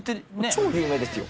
超有名ですよ。